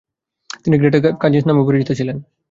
তিনি Greta Cousins নামেও পরিচিত ছিলেন।